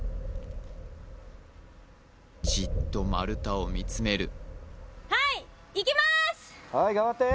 じっと丸太を見つめる・はい頑張って！